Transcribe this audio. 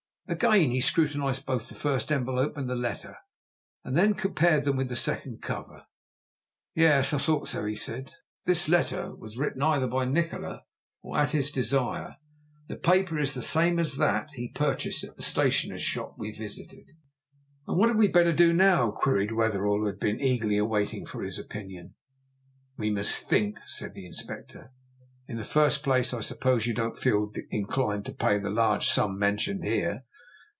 Again he scrutinized both the first envelope and the letter, and then compared them with the second cover. "Yes, I thought so," he said. "This letter was written either by Nikola, or at his desire. The paper is the same as that he purchased at the stationer's shop we visited." "And what had we better do now?" queried Wetherell, who had been eagerly waiting for his opinion. "We must think," said the Inspector. "In the first place, I suppose you don't feel inclined to pay the large sum mentioned here?"